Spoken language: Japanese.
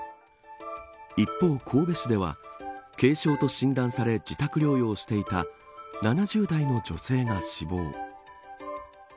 一方、神戸市では軽症と診断され自宅療養していた７０代の女性が死亡。